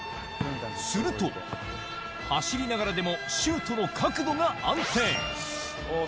すると、走りながらでもシュートの角度が安定。